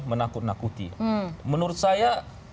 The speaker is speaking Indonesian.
menakut nakuti menurut saya